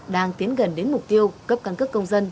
đang tiến gần đến mục tiêu cấp căn cước công dân